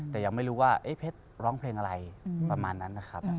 แต่ยังไม่รู้ว่าเพชรร้องเพลงอะไรประมาณนั้นนะครับ